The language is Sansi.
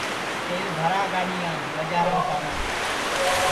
تیل بھرا گاڈؔیام ٻجارام چالاں